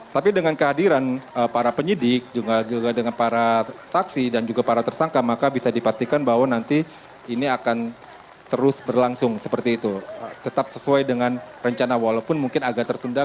tapi dengan kehadiran para penyidik juga dengan para saksi dan juga para tersangka